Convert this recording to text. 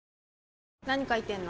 何書いてんの？